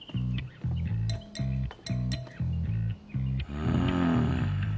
うん